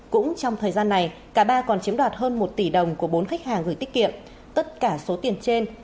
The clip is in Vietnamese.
cũng trong thời gian này cả ba còn chiếm đoạt hơn một tỷ đồng của bốn khách hàng gửi tiết kiệm